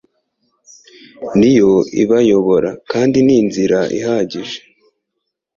ni yo ibayoboramo, kandi ni inzira ihagije